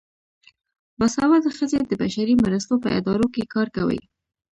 باسواده ښځې د بشري مرستو په ادارو کې کار کوي.